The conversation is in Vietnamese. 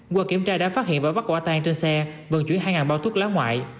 qua kiểm tra đã phát hiện và vắt quả tang trên xe vận chuyển hai bao thuốc lá ngoại